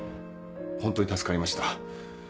ホントに助かりました。